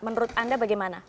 menurut anda bagaimana